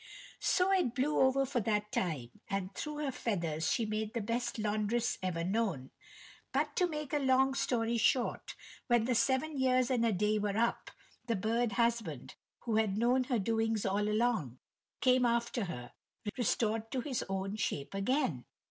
So it blew over for that time, and through her feathers she made the best laundress ever known. But to make a long story short, when the seven years and a day were up, the bird husband, who had known her doings all along, came after her, restored to his own shape again.